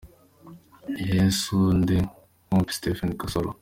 Yesu Nde Compe – Stephen Kasolo.